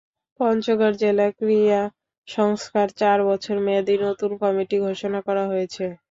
পঞ্চগড় জেলা ক্রীড়া সংস্থার চার বছর মেয়াদি নতুন কমিটি ঘোষণা করা হয়েছে।